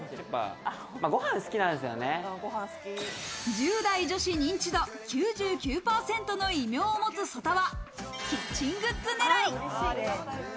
１０代女子認知度９９％の異名を持つ曽田は、キッチングッズ狙い。